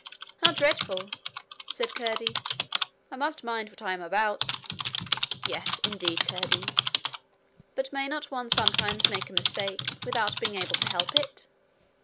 'How dreadful!' Said Curdie. 'I must mind what I am about.' 'Yes, indeed, Curdie.' 'But may not one sometimes make a mistake without being able to help it?'